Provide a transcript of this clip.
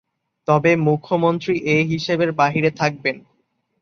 তবে মুখ্যমন্ত্রী এ হিসেবের বাইরে থাকবেন।